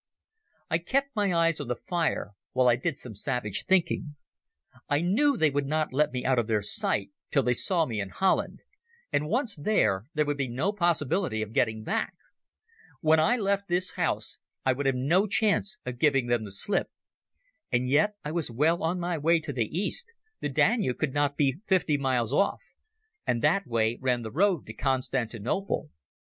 I kept my eyes on the fire, while I did some savage thinking. I knew they would not let me out of their sight till they saw me in Holland, and, once there, there would be no possibility of getting back. When I left this house I would have no chance of giving them the slip. And yet I was well on my way to the East, the Danube could not be fifty miles off, and that way ran the road to Constantinople.